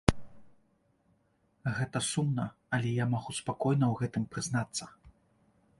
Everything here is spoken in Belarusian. Гэта сумна, але я магу спакойна ў гэтым прызнацца.